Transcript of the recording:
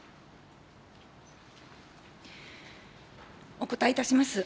お答えいたします。